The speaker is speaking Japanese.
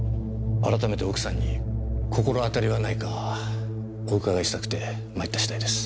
改めて奥さんに心当たりはないかお伺いしたくて参った次第です。